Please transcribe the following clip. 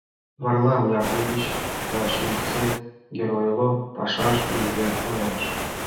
Варлам Яковлевич тачысе геройло пашаж нерген ойлыш.